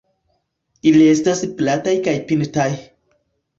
Ili estas plataj kaj pintaj.